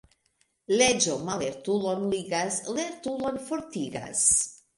Leĝo mallertulon ligas, lertulon fortigas.